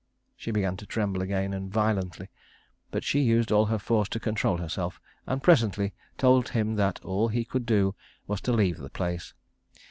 She began to tremble again, and violently; but she used all her force to control herself, and presently told him that all he could do was to leave the place.